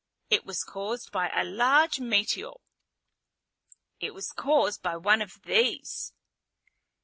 It was caused by a large meteor." "It was caused by one of these."